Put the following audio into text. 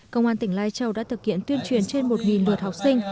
công an tỉnh lai châu đã thực hiện tuyên truyền trên một lượt học sinh